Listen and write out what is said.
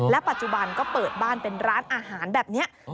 ปัจจุบันก็เปิดบ้านเป็นร้านอาหารแบบนี้